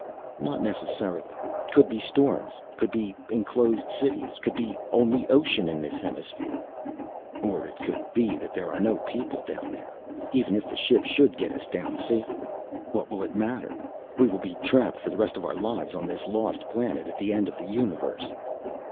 "Not necessarily. Could be storms. Could be enclosed cities. Could be only ocean in this hemisphere." "Or it could be that there are no people down there. Even if the ship should get us down safely what will it matter? We will be trapped for the rest of our lives on this lost planet at the end of the universe."